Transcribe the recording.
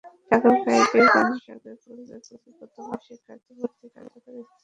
ঠাকুরগাঁওয়ের পীরগঞ্জ সরকারি কলেজে এইচএসসি প্রথম বর্ষে শিক্ষার্থী ভর্তি কার্যক্রম স্থগিত করা হয়েছে।